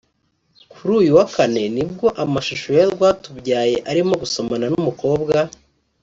Kuri uyu wa Kane ni bwo amashusho ya Rwatubyaye arimo gusomana n’umukobwa